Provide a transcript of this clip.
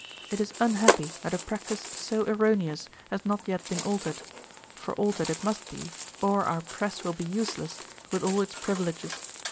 It is unhappy that a practice so erroneous has not yet been altered; for altered it must be, or our press will be useless, with all its privileges.